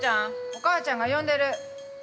お母ちゃんが呼んでる。